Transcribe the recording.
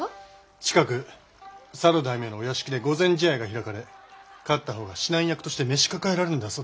近くさる大名のお屋敷で御前試合が開かれ勝ったほうが指南役として召し抱えられるんだそうだ。